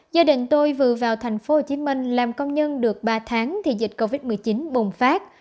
gia đình tôi vừa vào thành phố hồ chí minh làm công nhân được ba tháng thì dịch covid một mươi chín bùng phát